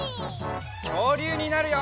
きょうりゅうになるよ！